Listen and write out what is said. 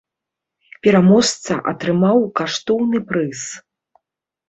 Пераможца атрымаў каштоўны прыз.